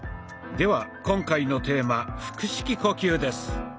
では今回のテーマ「腹式呼吸」です。